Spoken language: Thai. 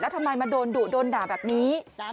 แล้วทำไมมาโดนด่าแบบนี้